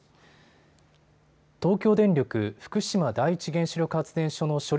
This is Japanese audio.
東京電力福島第一原子力発電所の処理